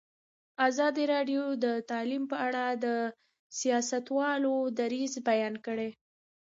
ازادي راډیو د تعلیم په اړه د سیاستوالو دریځ بیان کړی.